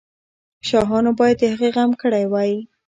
شاهانو باید د هغې غم کړی وای.